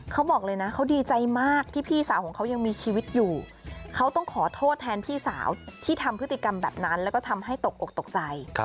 เขาบอกเลยนะเขาดีใจมากที่พี่สาวของเขายังมีชีวิตอยู่เขาต้องขอโทษแทนพี่สาวที่ทำพฤติกรรมแบบนั้นแล้วก็ทำให้ตกอกตกใจ